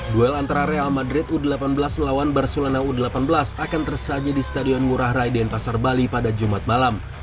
duel antara real madrid u delapan belas melawan barcelona u delapan belas akan tersaji di stadion ngurah rai denpasar bali pada jumat malam